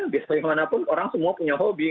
biasanya kemana pun orang semua punya hobi